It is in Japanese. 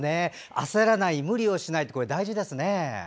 あせらない、無理をしない大事ですね。